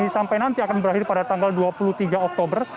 sampai nanti akan berakhir pada tanggal dua puluh tiga oktober